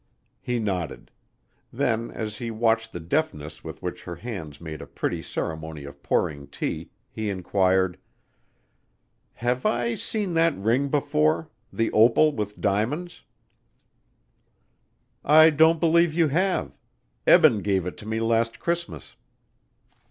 He nodded; then, as he watched the deftness with which her hands made a pretty ceremony of pouring tea, he inquired: "Have I seen that ring before the opal with diamonds?" "I don't believe you have. Eben gave it to me last Christmas."